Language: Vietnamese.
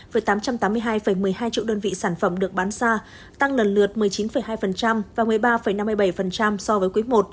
với tám trăm tám mươi hai một mươi hai triệu đơn vị sản phẩm được bán xa tăng lần lượt một mươi chín hai và một mươi ba năm mươi bảy so với quý i